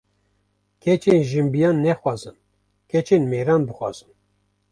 Keçên jinbiyan nexwazin keçên mêran bixwazin